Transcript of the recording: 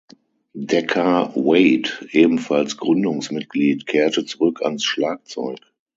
Decca Wade, ebenfalls Gründungsmitglied, kehrte zurück ans Schlagzeug.